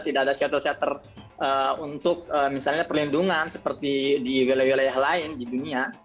tidak ada shelter shelter untuk misalnya perlindungan seperti di wilayah wilayah lain di dunia